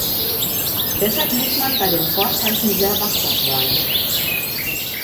Deshalb muss man bei den Vorzeichen sehr wachsam sein.